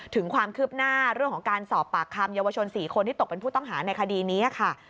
ถึงความคืบหน้าเรื่องของการสอบปากคำเยาวชน๔คนที่ตกเป็นผู้ต้องหาในคดีนี้ค่ะ